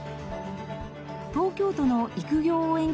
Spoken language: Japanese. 東京都の「育業」応援